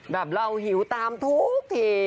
แบบเราหิวตามทุกที